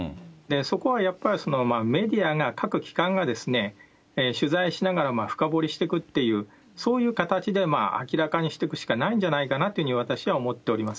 そこはやっぱり、メディアが、各機関が取材しながら深掘りしてくっていう、そういう形で明らかにしていくしかないんじゃないかなというふうに私は思っておりま